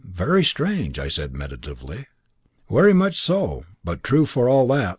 "Very strange!" said I meditatively. "Wery much so, but true for all that.